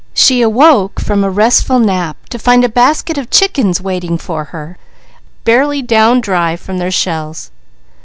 She awoke from a restful nap to find a basket of chickens waiting for her, barely down dry from their shells.